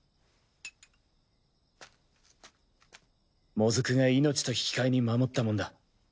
モズクが命と引き換えに守ったもんだ。